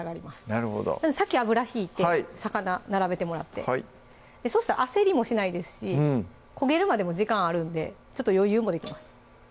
なるほど先油引いて魚並べてもらってはいそしたら焦りもしないですし焦げるまでも時間あるんでちょっと余裕もできます